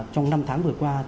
trong năm tháng vừa qua